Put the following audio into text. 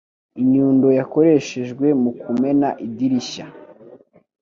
Inyundo yakoreshejwe mu kumena idirishya.